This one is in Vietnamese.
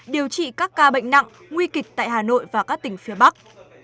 điều trị các ca bệnh nặng nguy kịch tại hà nội và các tỉnh phía bắc